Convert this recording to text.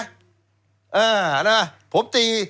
เอ่อนะน่ะผมตี